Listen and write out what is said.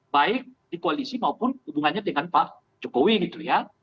baik di koalisi maupun hubungannya dengan pak jokowi gitu ya